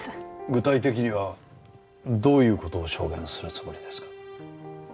具体的にはどういう事を証言するつもりですか？